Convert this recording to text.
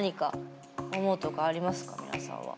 皆さんは。